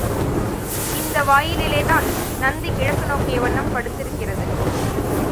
இந்த வாயிலிலேதான் நந்தி கிழக்கு நோக்கிய வண்ணம் படுத்திருக்கிறது.